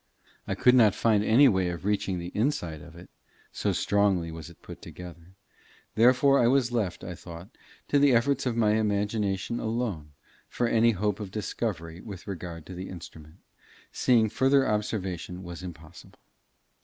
I could not find any way of reaching the inside of it, so strongly was it put together; therefore I was left, I thought, to the efforts of my imagination alone for any hope of discovery with regard to the instrument, seeing further observation was impossible.